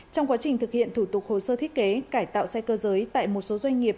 trong quá trình thực hiện thủ tục hồ sơ thiết kế cải tạo xe cơ giới tại một số doanh nghiệp